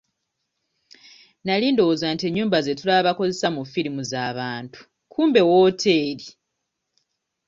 Nali ndowooza nti ennyumba ze tulaba bakozesa mu firimu za bantu kumbe wooteri.